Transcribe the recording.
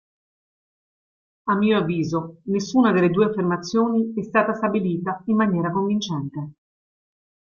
A mio avviso, nessuna delle due affermazioni è stata stabilita in maniera convincente".